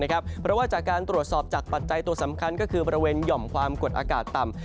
เพราะว่าจากการตรวจสอบจากปัจจัยตัวสำคัญก็คือบริเวณหย่อมความกดอากาศต่ำ